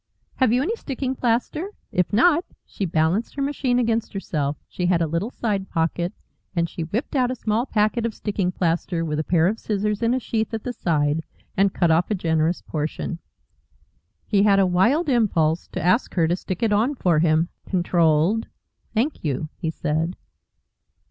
Have you any sticking plaster? If not " She balanced her machine against herself. She had a little side pocket, and she whipped out a small packet of sticking plaster with a pair of scissors in a sheath at the side, and cut off a generous portion. He had a wild impulse to ask her to stick it on for him. Controlled. "Thank you," he said.